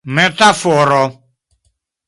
metaforo